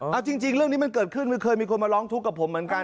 เอาจริงเรื่องนี้มันเกิดขึ้นไม่เคยมีคนมาร้องทุกข์กับผมเหมือนกัน